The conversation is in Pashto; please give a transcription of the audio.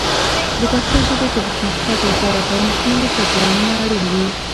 د پښتو ژبې د پرمختګ لپاره پرمختللي پروګرامونه اړین دي.